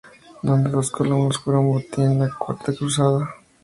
Dos de las columnas fueron botín de la Cuarta Cruzada.